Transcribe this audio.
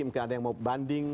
mungkin ada yang mau banding